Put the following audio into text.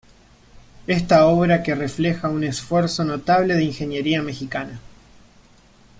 Esta obra que refleja un esfuerzo notable de ingeniería mexicana.